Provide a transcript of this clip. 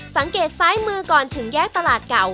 สังเกตซ้ายมือก่อนถึงแยกตลาดเก่า